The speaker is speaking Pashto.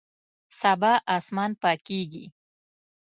سبا اسمان پاکیږي